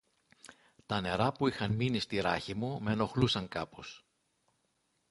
Τα νερά που είχαν μείνει στη ράχη μου μ' ενοχλούσαν κάπως